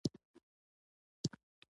ځکه تا ویل چې کوچ او کابینه یوه جوړه ده